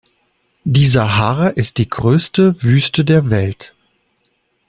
Die Sahara ist die größte Wüste der Welt.